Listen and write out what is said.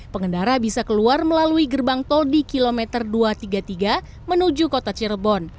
pengendara bisa keluar melalui gerbang tol di kilometer dua ratus tiga puluh tiga menuju kota cirebon